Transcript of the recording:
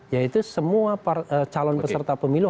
yaitu semua calon peserta pemilu